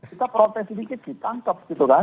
kita protes sedikit ditangkap gitu kan